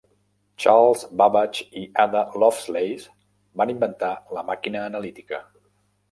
Charles Babbage i Ada Lovelace van inventar la màquina analítica.